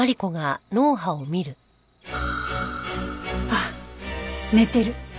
あっ寝てる。